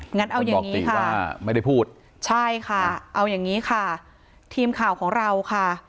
งั้นเอาอย่างนี้ค่ะทีมข่าวของเราค่ะ